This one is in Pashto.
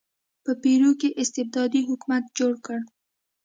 په پیرو کې استبدادي حکومت جوړ کړ.